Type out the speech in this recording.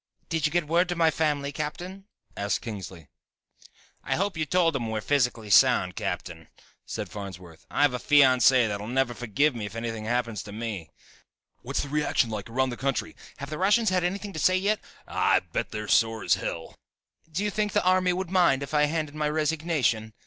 "Did you get word to my family, Captain?" asked Kingsley. "I hope you told them we're physically sound, Captain," said Farnsworth. "I have a fiancée that'll never forgive me if anything happens to me " "What's the reaction like around the country " "Have the Russians had anything to say yet " "Ha! I'll bet they're sore as hell " "Do you think the army would mind if I hand in my resignation?"